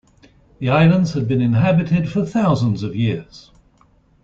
The islands have been inhabited for thousands of years.